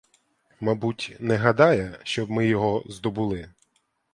Мабуть, не гадає, щоб ми його здобули.